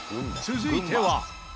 続いては。